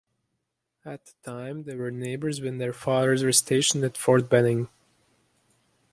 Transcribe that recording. At the time, they were neighbors when their fathers were stationed at Fort Benning.